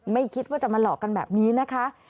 ไม่คิดว่าจะมาหลอกกันแบบนี้นะคะ